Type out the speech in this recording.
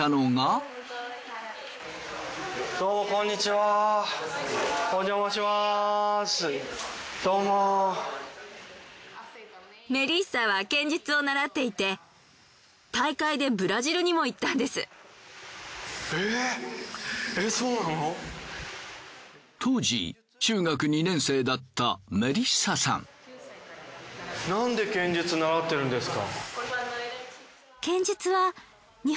なんで剣術習ってるんですか？